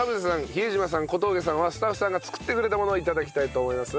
比江島さん小峠さんはスタッフさんが作ってくれたものを頂きたいと思います。